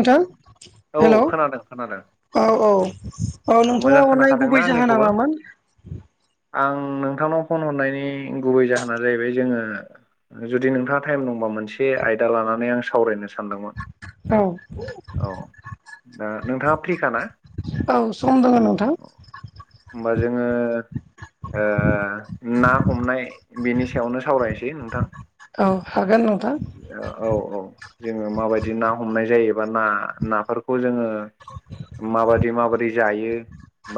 औ हेल' औ खोनादों खोनादों औ ओ मोजां नोंथाङा हरनायनि खोनाखादोंना गुबै जाहोना आंनिखौबो मामोन? आं नोंथांनाव फन हरनायनि गुबै जाहोना जाहैबाय जोङो जुदि नोंथाङा टाइम दंबा मोनसे आयदा लानानै आं सावरायनो सानदोंमोन। औ औ दा नोंथाङा फ्रिखााना? औ सम दोङो नोंथां। होमबा जोङो ओ ना हमनाय बिनि सायावनो सावरायनोसै नोंथां। औ हागोन नोंथां। औ औ जोङो माबायदि ना हमनाय जायोबा ना नाफोरखौ जोङो माबायदि माबायदि जायो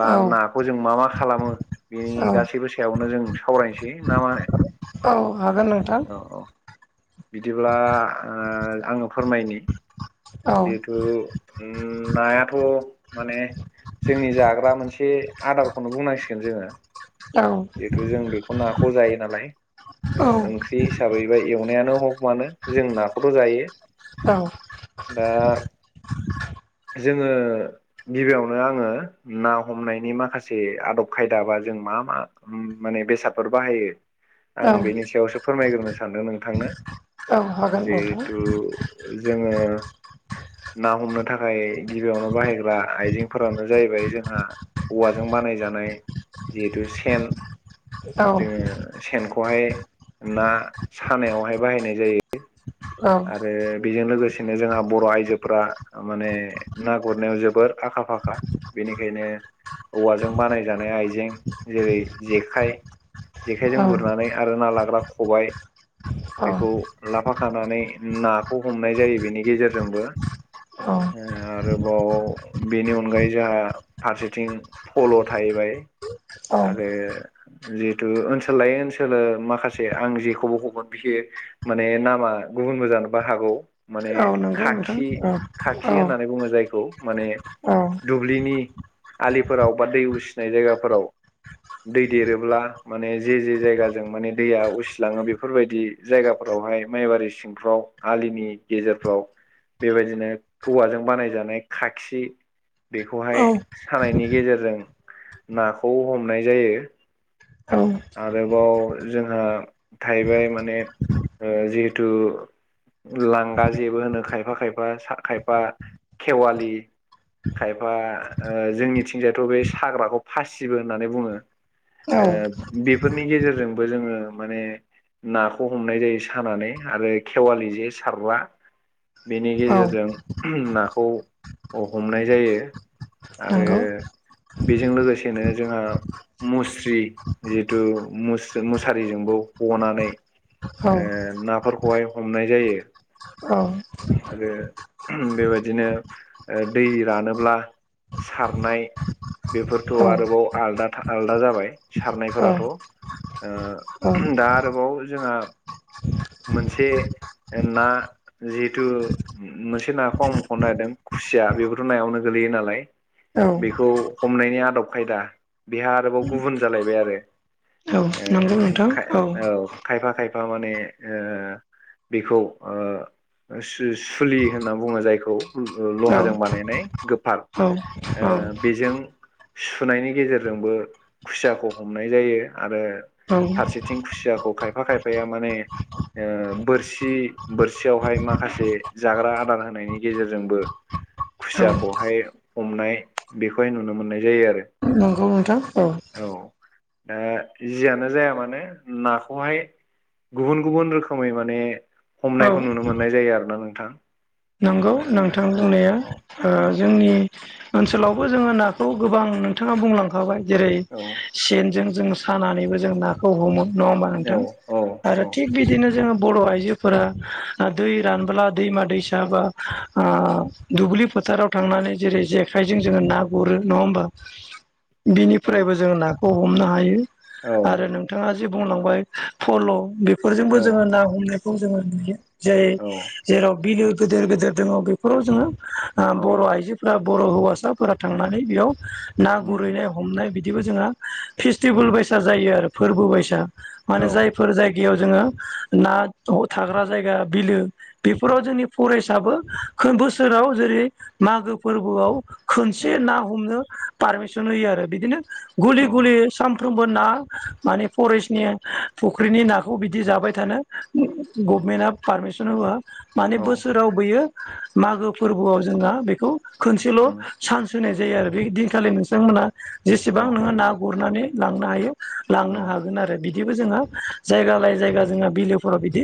बा औ नाखौ जों मा मा खालामो बेनि औ गासैबो सायावनो जों सावरायनोसै ना मा होनो? औ हागोन नोंथां। औ औ बिदिब्ला आङो फोरमायनि औ जिहेथु उम नायाथ' माने जोंनि जाग्रा मोनसे आदारखौनो बुंनांसिगोन जोङो। औ जिहेथु जों बेखौ नाखौ जायो नालाय औ ओ ओंख्रि हिसाबै बे एवनायानो हग मानो जों नाखौथ' जायो। औ दा जोङो गिबियावनो आङो ना हमनायनि माखासे आदब खायदा बा जों मा मा माने बेसादफोर बाहायो आं औ बेनि सायावसो फोरमायग्रोनो सानदों नोंथांनो। औ हागोन नोंथां जिहेथु जोङो ना हमनो थाखाय गिबियावनो बाहायग्रा आइजेंफोरानो जाहैबाय जोंहा औवाजों बानायजानाय जिहेथु सेन औ जोङो सेनखौहाय ना सानायावहाय बाहायनाय जायो। औ आरो बेजों लोगोसे नो जोंहा बर' आयजोफोरा माने ना गुरनायाव जोबोर आखा फाखा। बेनिखायनो औवाजों बानायजानाय आइजें जेरै जेखाइ जेखाइजों गुरनानै आरो ना लाग्रा खबाय औ बेखौ लाफाखानानै नाखौ हमनाय जायो बेनि गेजेरजोंबो‌। ओ आरोबाव बेनि अनगायै जोंहा फारसेथिं फल' थाहैबाय। औ आरो जिहेतु ओनसोल लायै ओनसोल माखासे आं जेखौबो [unintelligible] माने नामा गुबुनबो जानोबो हागौ माने औ नंगौ नोंथां खाखि औ औ खाखि होननानै बुङो जायखौ माने दुब्लिनि आलिफोराव बा दै उसिनाय जायगाफोराव दै देरोब्ला माने जे जे जायगाजों माने दैया उसिलाङो बेफोरबायदि जायगाफ्रावहाय माइबारि सिंफ्राव आलिनि गेजेरफ्राव बेबायदिनो औवाजों बानायजानाय खाखि औ बेखौहाय सानायनि गेजेरजों नाखौ हमनाय जायो। औ आरोबाव जोंहा थाइबें माने ओ जिहेथु लांगा जेबो होनो खायफा खायफा खायफा खेवालि खायफा ओ जोंनिथिंजायथ' बे साग्राखौ फासिबो होननानै बुङो। औ ओ बेफोरनि गेजेरजोंबो जोङो माने नाखौ हमनाय जायो सानानै आरो खेवालि जे सारग्रा बेनि औ गेजेरजों नाखौ ह-हमनाय जायो। आरो नंगौ बेजों लोगोसेनो जोंहा मुस्रि जिहेथु मुस-मुसारिजोंबो हनानै औ ओ नाफोर खौहाय हमनाय जायो। औ। आरो बेबायदिनो ओ दै रानोब्ला सारनाय बेफोरथ' आरोबाव आलदा आलदा जाबाय। सारनायफोराथ' ओ दा आरोबाव जोंहा मोनसे ना जिहेथु मोनसे नाखौ आं मख'नो नागिरदों खुसिया बेबोथ' नायावनो गोलैयो नालाय। औ बेखौ हमनायनि आदब खायदा बेहा आरोबाव गुबुन जालायबाय आरो औ नंगौ नोंथां ए औ खायफा खायफा माने ओ बेखौ ओ ओ सु सुलि होनना बुङो जायखौ औ लहाजों बानायनाय गोफार औ। ओ औ बेजों सुनायनि गेजेरजोंबो खुसियाखौ हमनाय जायो आरो औ फारसेथिं खुसियाखौ खायफा खायफाया माने ओ बोरसि बोरसियावहाय माखासे जाग्रा आदार होनायनि गेजेरजोंबो औ खुसियाखौहाय हमनाय बेखौहाय नुनो मोननाय जायो आरो। नंगौ नोंथां औ औ दा जियानो जाया मानो नाखौहाय गुबुन गुबुन रोखोमै माने औ हमनायखौ नुनो मोननाय जायो आरो ना नोंथां। नंगौ नोंथां ओ बुंनाया औ ओ जोंनि ओनसोलावबो जोङो नाखौ गोबां नोंथाङा बुंलांखाबाय। जेरै औ सेनजों जों सानानैबो जों नाखौ हमो नङा होमबा औ नोंथां? औ आरो थिग बिदिनो जोङो बर' आइजोफोरा दै रानब्ला दैमा दैसा बा ओ दुब्लि फोथाराव थांनानै जेरै जेखाइजों जोङो ना गुरो नङा होमबा? [inaudible] औ बिनिफ्रायबो जोंङो नाखौ हमनो हायो आरो नों नोंथाङा जि बुंलांबाय फल' बेफोरजोंबो औ जोङो ना हमनायखौ जोङो नुयो। जेरै औ जेराव बिलो गिदिर गिदिर दङ बेफोराव जोङो आ औ बर' आइजोफोरा बर' हौवासाफोरा थांनानै बेयाव ना उम गुरैनाय हमनाय बिदिबो जोंहा औ फेस्टिभेल बायसा जायो आरो फोरबो बायसा औ माने जायफोर जाय जायगायाव जोङो ना थाग्रा जायगा बिलो बेफोराव जोंनि फरेस्टाबो बोसोराव जेरै मागो फोरबोआव औ खनसे ना हमनो पारमिशन होयो आरो बिदिनो औ गुलि गुलि साम सानफ्रोमबो ना माने फरेस्टनि फुख्रिनि नाखौ बिदि जाबाय थानो गभमेन्टआ पारमिसन होआ माने बोसोराव बैयो मागो फोरबोआव जोंहा बेखौ खनसेल' उम चान्स होनाय जायो आरो बे दिनखालि नोंथांमोनहा औ जेसेबां नोङो ना गुरनानै लांनो हायो औ लांनो हागोन आरो बिदिबो जोंहा जायगा लायै जायगा जोंहा बिलोफोराव बिदि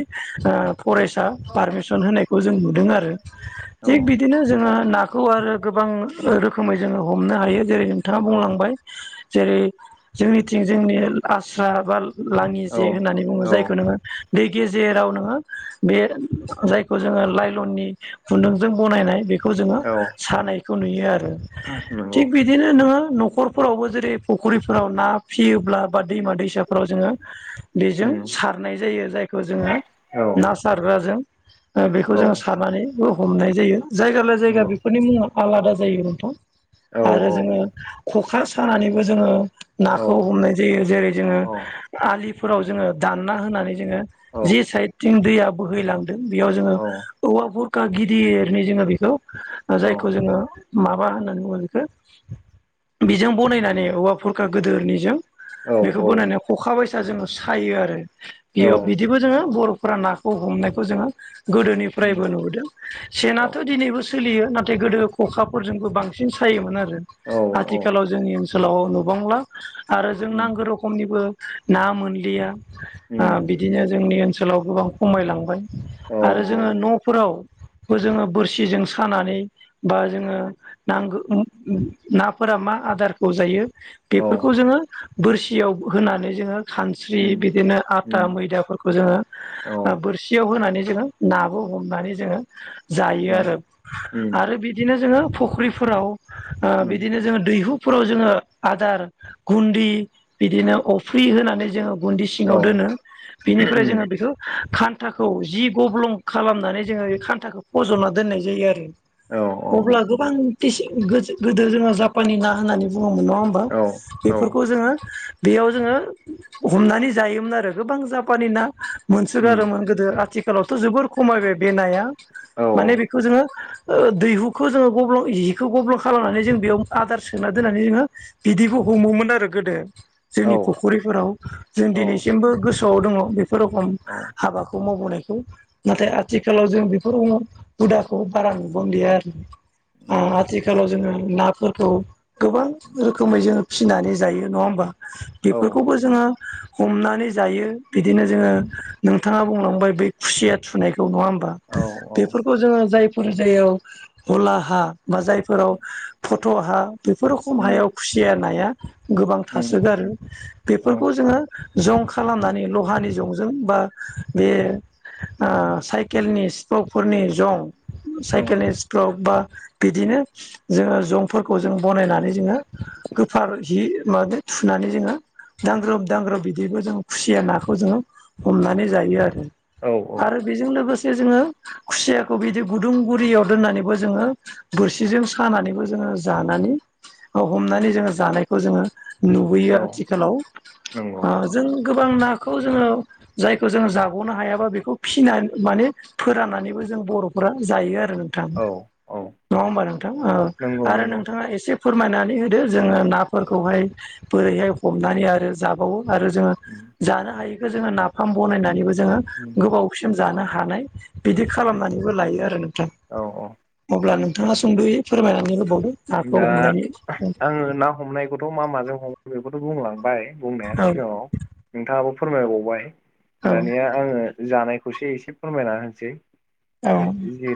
आ फरेस्ट आ पारमिसन होनायखौ जों नुदों आरो। [inaudible] थिग बिदिनो जोङो नाखौ आरो गोबां रोखोमै जोङो हमनो हायो जेरै नोंथाङा औ बुंलांबाय जेरै जोंनिथिं जोंनि आस्रा बा लाङि जे होननानै बुङो। औ जायखो नोङो दै गेजेराव नोङो बे जायखौ जोङो लाइलननि खुन्दुंजों बनायनाय बेखौ जोङो औ सानायखौ नुयो आरो। नंगौ थिग बि दिनो नोङो न'खरफोरावबो जेरै फुख्रिफोराव ना फियोब्ला बा दैमा दैसा फोराव जोङो बेजों उम सारनाय जायो। जायखौ जोङो औ ना सारग्राजों ओ बेखौ औ जों सारनानैबो हमनाय जायो। जायगा लाय जायगा नंगौ बिफोरनि मुङा आलादा जायो नोंथां। औ आरो जोङो ख'खा सानानैबो जोङो नाखौ हमनाय जायो। जेरै जोङो औ आलिफोराव जोङो दानना होनानै जोङो जि साइदथिं दैया बोहैलां दों बेआव जोङो औ औवा बुरखा गिदिरनि जोङो बेखौ औ जायखौ जोङो माबा होननानै बुङो बेखौ बेजों बनायनानै औवा बुरखा गोदोरनिजों बेखौ औ बोनानै ख'खा बायसिना जोङो सायो आरो बे याव बिदिबो जोङो बर'फोरा ना ओ हमनायखौ जोङो उम गोदोनिफ्रायबो नुबोदों सेनाथ' दिनैबो सोलियो नाथाय गोदो ख'खाफोरजोंबो बांसिन सायोमोन आरो औ औ आथिखालाव जोंनि ओनसोलाव नुबांला आरो जों उम नांगो रोखो खमनिबो ना मोनलिआ ओ उम बिदिनो जोंनि ओनसोलाव गोबां खमायलांबाय औ आरो जोङो न'फोराव बो जोङो बोरसिजों सानानै बा जोङो नांगो उम उम‌ नाफोरा मा आदारखौ जायो औ बेफोरखौ जोङो बोरसिआव होनानै जोङो खानस्रि उम बिदिनो आथा उम मैदाफोरखौ जोङो औ ओ बोरसि आव होनानै जोङो नाबो हमनानै जोङो जायो उम आरो उम आरो बि बिदिनो जोङो फ'ख्रिफोराव ओ उम बिदिनो जोङो दैहुफोराव जोङो आदार गुन्दि बिदिनो अफ्रि होनानै जोङो गुन्दि औ सिंआव दोनो बिनिफ्राय उम जोङो बेखौ खान्थाखौ जि गब्लुं खालामनानै जोङो इ खान थाखौ फज'ना दोननाय जायो आरो औ अब्ला गोबां इसि गोजो गोदो जोङो जापानि ना होननानै बुङोमोन नङा होमबा औ औ बेफोरखौ जोङो बेआव जोङो हमनानै जायोमोन आरो गोबां जापानि ना उम मोनसोगारोमोन गोदो आथिखालावथ' जोबोर खमायबाय बे नाया औ माने बेखौ जोङो उम मो ओ दैहुखौ जोङो गब्लं जिखौ गब्लं खालामनानै जों बेआव आदार सोना दोननानै जोङो बिदिबो हमोमोन आरो गोदो औ जोंनि फ'ख'रिफोराव जों औ दिनैसिमबो गोसोआव दङ' बेफोर फोर रखम औ हाबाखौ मावबोनायखौ नाथाय आथिखालाव जों बे फोरखौनो हुदाखौ बारा नुबांलिआ आरो आ उम आथिखालाव जोङो नाफोरखौ गोबां रोखोमै जोङो फिनानै जायो नङा होमबा औ औ बेफोरखौबो जोङो हमनानै जायो बिदिनो जोङो उम नोंथांआ बुंलांबाय बै खुसिआ थुनायखौ नङा होमबा औ औ बेफोरखौ जोङो जाय फोरजायाव हला हा बा जायफोराव फट' हा बेफोर रखम उम हायाव खुसिआ नाया गोबां उम थासोगारो औ बेफोरखौ जोङो जं खालामनानै लहानि जंजों बा बे आ साइकेलनिस सिप्र'कफोरनि जं साइकेलनि सिप्र'क बा बिदिनो जोङो जं फोरखौ जों बनायनानै जोङो गोफार हि माबे थुनानै जोङो दांग्रोब दांग्रोब बिदिबो जों खुसिआ नाखौ जोङो हमनानै जायो आरो औ औ आरो बेजों लोगोसे जोङो खुसिआखौ बिदि गुदुं बुरियाव दोननानैबो जोङो बोरसिजों सानानैबो जोङो जानानै ओ हमनानै जोङो जानायखौ जोङो नुबोयो औ आथिखालाव नंगौ ओ जों गोबां नाखौ जोङो जायखौ जोङो जाग'नो हायाबा बेखौ फिना माने फोराननानैबो जों बर'फोरा जायो आरो नोंथां औ औ नङा होमबा नोंथां ओ नंगौ आरो नंगौ नोंथांआ एसे फोरमायनानै होदो नोंथां दो जोङो औ नाफोरखौहाय बोरैहाय हमनानै आरो जाबावो आरो जोङो उम जानो हायैखौ जोङो नाफाम बनायनानैबो जोङो उम गोबाव सिम जानो हानाय बिदि औ खालामनानैबो लायो आरो नोंथां औ औ अब्ला नोंथांआ सुंद'यै फोरमायनानै होबावदो नाखौ दा हमनायनि ओ आं हमनाय हमनायखौथ' मा माजों हमो बेखौथ' बुंलांबाय बुंनाया औ सिगांआव नोंथांआबो फोरमायबावबाय औ दानिआ आङो जानायखौसो एसे फोरमायना होनोसै औ जि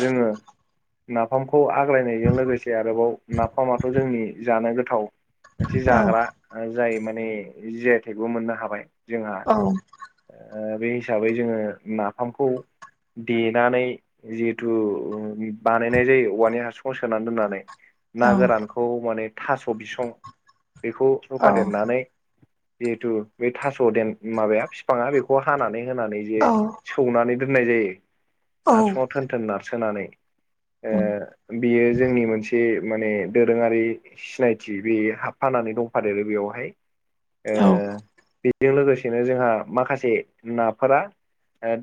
जोङो नाफामखौ हाग्रायनायजों लोगोसे आरोबाव नाफामाथ' जोंनि जानो गोथाव मोनसे औ जाग्रा जाय माने जि आायथायाइबो मोननो हाबाय जोंहा। औ बे हिसाबै जोङो नाफामखौ देनानै जिहेथु बानायनाय जायो वान इार्स थ सोनानै दोननानै ना गोरानखौ माने थास' बिसं बेखौ रफा औ देरनानै जिहेथु बे थास' देन माबाया बिफाङा बेखौ हानानै होनानै जे सौनानै दोननाय जायो औ औ हासङाव। थोन थोन नारसोमनानै बियो जोंनि मोनसे माने दोरोङारि सिनायथि बे हाबफानानै दंफादेरो बेयावहाय नंगौ बेजों लोगोसेनो जोंहा माखासे नाफोरा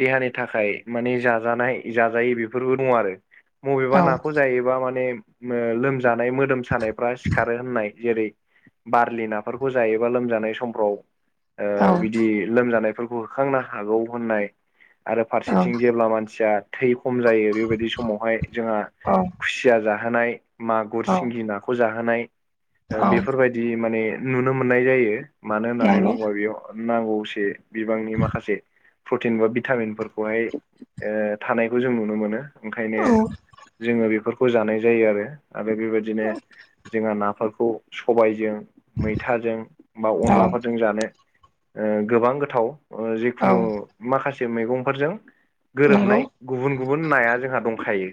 देहानि थाखाय मानि जाजानाय जाजायि बेफोरबो दङ आरो। बबेबा औ नाखौ जायोबा माने लोमजानाय मोदोम सानायफ्रा सिखारो होननाय जेरै बारलि नाफोरखौ जायोबा लोमजानाय समफ्राव बिदि लोमजानायफोरखौ होखांनो हागौ होननाय आरो फारसेथिं जेब्ला मानसिया थै खम जायो बेबायदि समावहाय जोंहा औ खुसिया जाहोनाय मागुर सिंगि नाखौ जाहोनाय बेफोरबाय बायदि माने नुनो मोननाय जायो मानो होननानै बुङोबा बेयाव नांगौसे बिबांनि माखासे प्रटिन बा भिटामिनफोरखौहाय थानायखौ जों नुनो मोनो। ओंखायनो जोङो बेफोरखौ जानाय जायो आरो आरो बेबायदिनो जोंहा नाफोरखौ सबायजों। मैथाजों बा अनलाफोरजों जानो गोबां गोथाव जिखुनु माखासे मैगंफोरजों गोरोबनाय गुबुन गुबुन नाया जोंहा दंखायो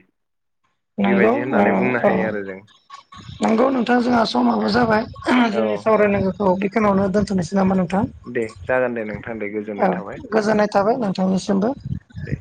नंगौ बेबायदि होननानै बुंनो औ औ। हायो आरो जों नंगौ नोंथां जोंहा समाबो जाबाय ओ जोंनि औ औ सावरायनांगौ थ' बेखखौननो दोनथ'नोसै नामा नोंथां दे जागोन दे नोंथां दे औ गोजोननाय थाबाय। गोजोननाय थाबाय औ नों औ थांनिसिमबो दे